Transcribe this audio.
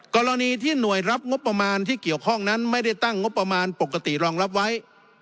กรณีที่หน่วยรับงบประมาณที่เกี่ยวข้องนั้นไม่ได้ตั้งงบประมาณปกติรองรับไว้